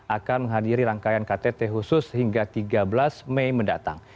akan menghadiri rangkaian ktt khusus hingga tiga belas mei mendatang